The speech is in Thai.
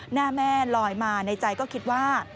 หน้าแม่ลอยมาในใจก็คิดว่า